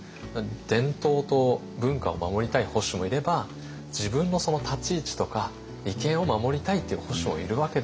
伝統と文化を守りたい保守もいれば自分の立ち位置とか利権を守りたいっていう保守もいるわけですよ。